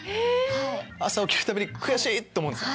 朝起きるたびに悔しい！って思うんですか？